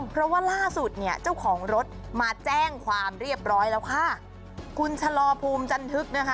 เพราะว่าล่าสุดเนี่ยเจ้าของรถมาแจ้งความเรียบร้อยแล้วค่ะคุณชะลอภูมิจันทึกนะคะ